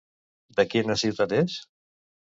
De quina ciutat és?